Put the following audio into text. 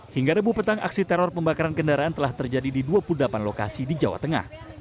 hingga rebu petang aksi teror pembakaran kendaraan telah terjadi di dua puluh delapan lokasi di jawa tengah